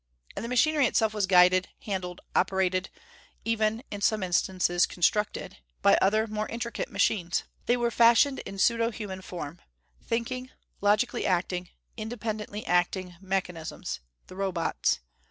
And the machinery itself was guided, handled, operated even, in some instances, constructed by other, more intricate machines. They were fashioned in pseudo human form thinking, logically acting, independently acting mechanisms: the Robots.